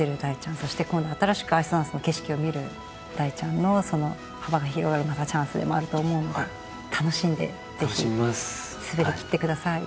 そして今度新しくアイスダンスの景色を見る大ちゃんの幅が広がるまたチャンスでもあると思うので楽しんでぜひ滑りきってください。